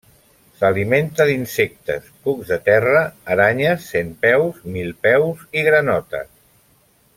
S'alimenta d'insectes, cucs de terra, aranyes, centpeus, milpeus i granotes.